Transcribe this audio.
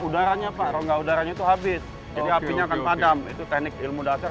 udaranya pak rongga udaranya itu habis jadi apinya akan padam itu teknik ilmu dasar